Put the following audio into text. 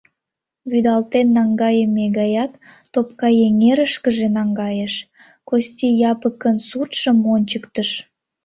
Вӱдалтен наҥгайыме гаяк Топкайэҥерышкыже наҥгайыш, Кости Япыкын суртшым ончыктыш.